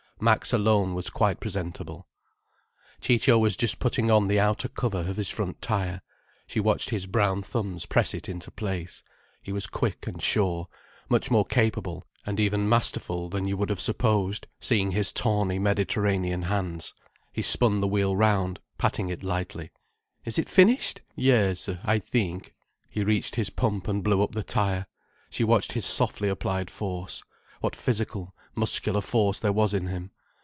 Max alone was quite presentable. Ciccio was just putting on the outer cover of his front tire. She watched his brown thumbs press it into place. He was quick and sure, much more capable, and even masterful, than you would have supposed, seeing his tawny Mediterranean hands. He spun the wheel round, patting it lightly. "Is it finished?" "Yes, I think." He reached his pump and blew up the tire. She watched his softly applied force. What physical, muscular force there was in him.